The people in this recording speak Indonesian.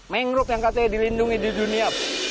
mangrove yang katanya dilindungi di dunia